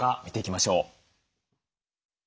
見ていきましょう。